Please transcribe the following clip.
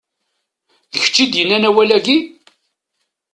D kečč i d-yennan awal-agi?